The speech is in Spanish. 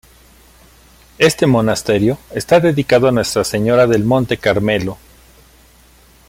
Este monasterio está dedicado a Nuestra Señora del Monte Carmelo.